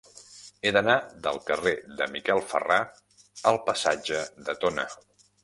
He d'anar del carrer de Miquel Ferrà al passatge de Tona.